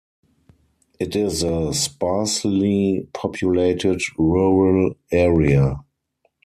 It is a sparsely populated, rural area.